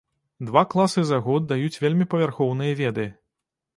Два класы за год даюць вельмі павярхоўныя веды.